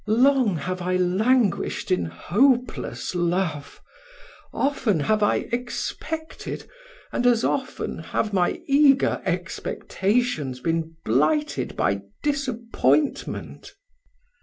Long have I languished in hopeless love: often have I expected, and as often have my eager expectations been blighted by disappointment."